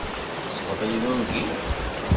Tḥesbeḍ-iyi d ungif?